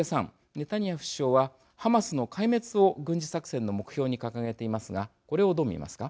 ネタニヤフ首相はハマスの壊滅を軍事作戦の目標に掲げていますがこれをどう見ますか。